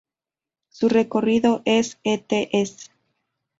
Su recorrido es Est.